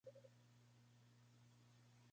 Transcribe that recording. El asteroide lleva su nombre.